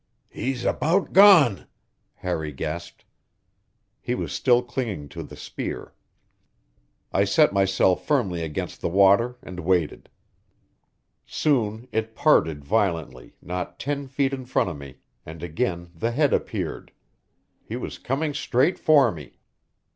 "He's about gone!" Harry gasped. He was still clinging to the spear. I set myself firmly against the water and waited. Soon it parted violently not ten feet in front of me, and again the head appeared; he was coming straight for me.